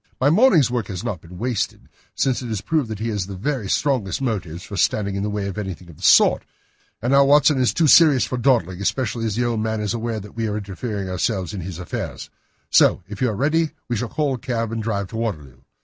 My morning's work has not been wasted, since it has proved that he has the very strongest motives for standing in the way of anything of the sort. And now, Watson, this is too serious for dawdling, especially as the old man is aware that we are interesting ourselves in his affairs; so if you are ready, we shall call a cab and drive to Waterloo.